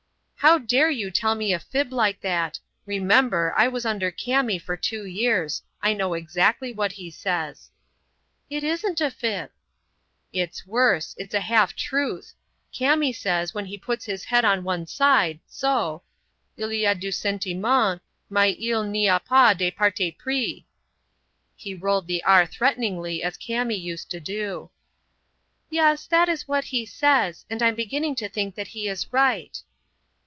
"How dare you tell me a fib like that? Remember, I was under Kami for two years. I know exactly what he says." "It isn't a fib." "It's worse; it's a half truth. Kami says, when he puts his head on one side,—so,—'Il y a du sentiment, mais il n'y a pas de parti pris.'" He rolled the r threateningly, as Kami used to do. "Yes, that is what he says; and I'm beginning to think that he is right."